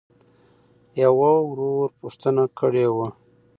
يــوه ورورپوښـتـنــه کــړېــوه.؟